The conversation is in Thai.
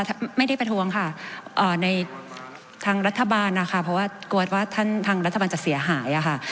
ไม่ได้ประท้วงค่ะในทางรัฐบาลนะคะเพราะว่ากลัวว่าท่านทางรัฐบาลจะเสียหายอะค่ะ